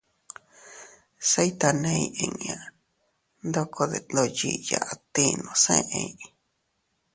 Se iytaney inña ndoko detndoyiya adtinos eʼey: